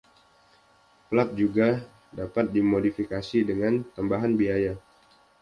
Plat juga dapat dimodifikasi dengan tambahan biaya.